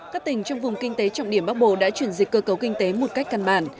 các tỉnh trong vùng kinh tế trọng điểm bắc bộ đã chuyển dịch cơ cấu kinh tế một cách căn bản